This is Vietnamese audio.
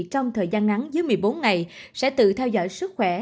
trong thời gian ngắn dưới một mươi bốn ngày sẽ tự theo dõi sức khỏe